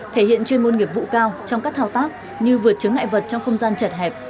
thể hiện chuyên môn nghiệp vụ cao trong các thao tác như vượt chứng ngại vật trong không gian chật hẹp